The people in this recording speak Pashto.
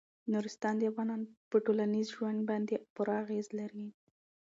نورستان د افغانانو په ټولنیز ژوند باندې پوره اغېز لري.